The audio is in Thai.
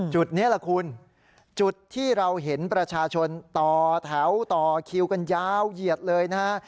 จุดนี้แหละคุณจุดที่เราเห็นประชาชนต่อแถวต่อคิวกันยาวเหยียดเลยนะฮะ